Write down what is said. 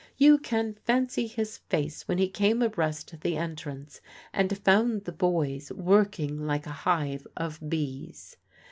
You can fancy his face when he came abreast the entrance and found the boys working like a hive of bees.